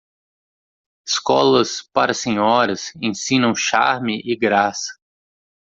Escolas para senhoras ensinam charme e graça.